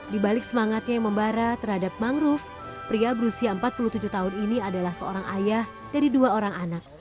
di balik semangatnya yang membara terhadap mangrove pria berusia empat puluh tujuh tahun ini adalah seorang ayah dari dua orang anak